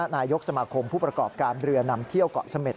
นายกสมาคมผู้ประกอบการเรือนำเที่ยวเกาะเสม็ด